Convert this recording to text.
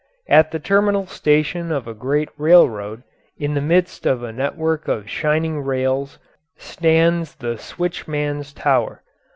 At the terminal station of a great railroad, in the midst of a network of shining rails, stands the switchman's tower.